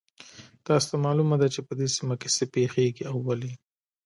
تاسو ته معلومه ده چې په دې سیمه کې څه پېښیږي او ولې